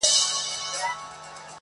ورځو کډه کړې ده اسمان ګوري کاږه ورته؛